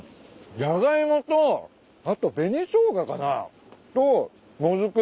ジャガイモとあと紅しょうがかな？ともずく。